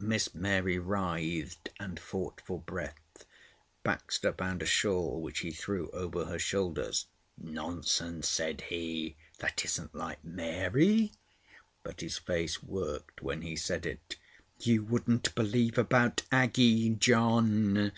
Miss Mary writhed and fought for breath. Baxter found a shawl which he threw over her shoulders. "Nonsense!" said he. "That isn't like Mary;" but his face worked when he said it. "You wouldn't believe about Aggie, John.